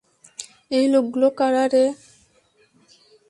এই লোকগুলো কারা রে?